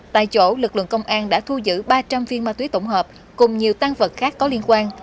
tại chỗ lực lượng công an đã thu giữ ba trăm linh viên ma túy tổng hợp cùng nhiều tăng vật khác có liên quan